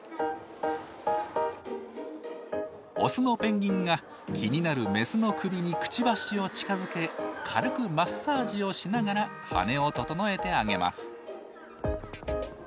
オスのペンギンが気になるメスの首にクチバシを近づけ軽くマッサージをしながら羽根を整えてあげます。